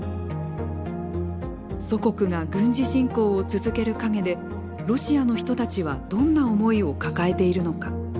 祖国が軍事侵攻を続ける陰でロシアの人たちはどんな思いを抱えているのか。